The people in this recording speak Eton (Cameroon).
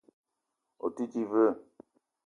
O te di ve?